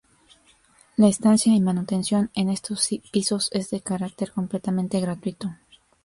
La estancia y manutención en estos pisos es de carácter completamente gratuito.